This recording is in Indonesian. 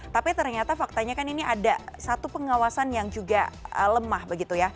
tapi ternyata faktanya kan ini ada satu pengawasan yang juga lemah begitu ya